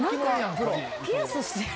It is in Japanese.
ピアスしてる！